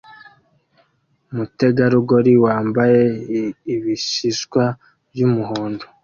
Umutegarugori wambaye ibishishwa byumuhondo